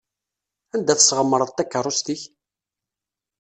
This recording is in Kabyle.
Anda tesɣemreḍ takeṛṛust-ik?